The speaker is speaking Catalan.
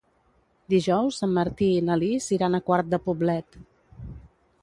Dijous en Martí i na Lis iran a Quart de Poblet.